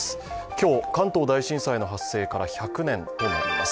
今日、関東大震災の発生から１００年となります。